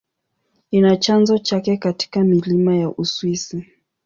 Ina chanzo chake katika milima ya Uswisi.